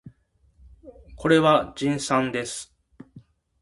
これは人参です